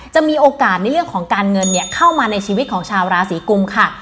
จะมีโอกาสในเรื่องของการเงินเข้ามาในชีวิตของชาวราศีกุมค่ะ